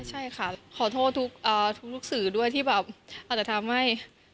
ใช่ค่ะขอโทษทุกสื่อด้วยที่แบบอาจจะทำให้